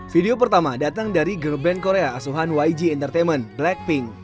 video pertama datang dari girl band korea asuhan yg entertainment blackpink